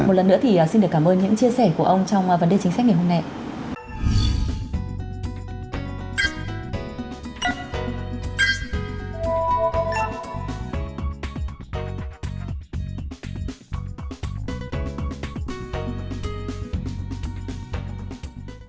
một lần nữa thì xin được cảm ơn những chia sẻ của ông trong vấn đề chính sách ngày hôm nay